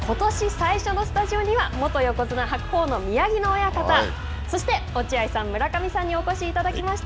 最初のスタジオには元横綱・白鵬の宮城野親方、そして落合さん、村上さんにお越しいただきました。